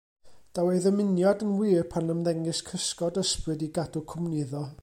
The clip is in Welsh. Daw ei ddymuniad yn wir pan ymddengys cysgod ysbryd i gadw cwmni iddo.